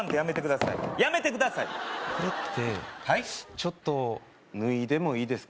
ちょっと脱いでもいいですか？